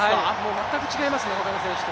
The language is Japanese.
全く違いますね、他の選手と。